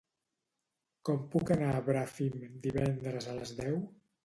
Com puc anar a Bràfim divendres a les deu?